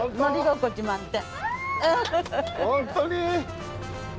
本当に？